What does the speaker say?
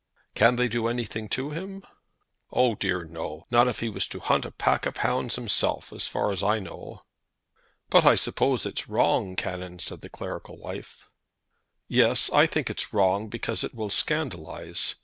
"Can they do anything to him?" "Oh dear no; not if he was to hunt a pack of hounds himself, as far as I know." "But I suppose it's wrong, Canon," said the clerical wife. "Yes; I think it's wrong because it will scandalise.